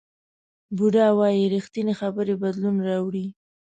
بودا وایي ریښتینې خبرې بدلون راوړي.